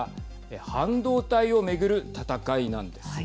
半導体を巡る戦いなんです。